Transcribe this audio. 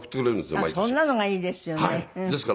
そんなのがいいですよね。